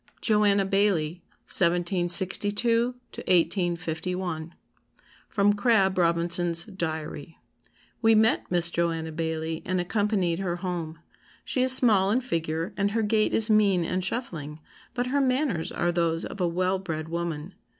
JOANNA BAILLIE 1762 1851 [Sidenote: Crabb Robinson's Diary.] "We met Miss Joanna Baillie, and accompanied her home. She is small in figure, and her gait is mean and shuffling, but her manners are those of a well bred woman.